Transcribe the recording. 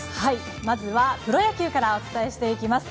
まずはプロ野球からお伝えしていきます。